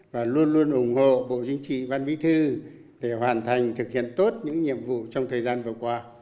và luôn luôn ủng hộ bộ chính trị ban bí thư để hoàn thành thực hiện tốt những nhiệm vụ trong thời gian vừa qua